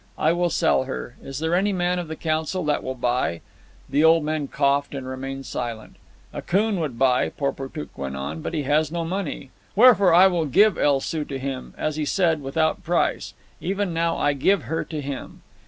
I will sell her. Is there any man of the council that will buy?" The old men coughed and remained silent "Akoon would buy," Porportuk went on, "but he has no money. Wherefore I will give El Soo to him, as he said, without price. Even now will I give her to him."